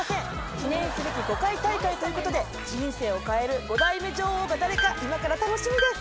記念すべき５回大会ということで人生を変える５代目女王が誰か今から楽しみです。